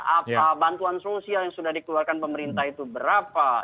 apa bantuan sosial yang sudah dikeluarkan pemerintah itu berapa